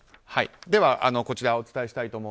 ではこちらをお伝えします。